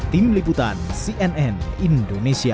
tim liputan cnn indonesia